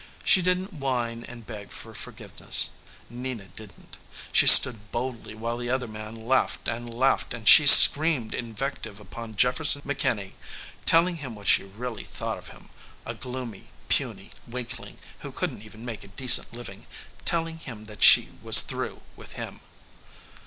She didn't whine and beg for forgiveness, Nina didn't. She stood boldly while the other man laughed and laughed and she screamed invective upon Jefferson McKinney, telling him what she really thought of him, a gloomy, puny weakling who couldn't even make a decent living, telling him that she was through with him.